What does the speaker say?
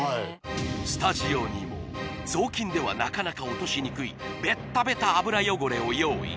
スタジオにも雑巾ではなかなか落としにくいベタベタ油汚れを用意